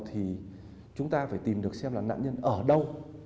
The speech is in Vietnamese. thì chúng ta phải tìm được xem là nạn nhân ở đâu